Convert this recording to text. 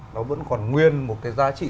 nó vẫn còn nguyên một cái giá trị